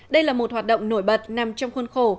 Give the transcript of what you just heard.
đây là một hoạt động nổi bật nằm trong khuôn khổ